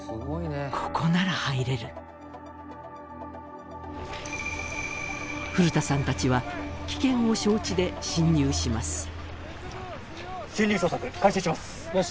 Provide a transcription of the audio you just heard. ここなら入れる古田さん達は危険を承知で進入します